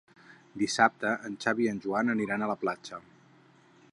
Dissabte en Xavi i en Joan aniran a la platja.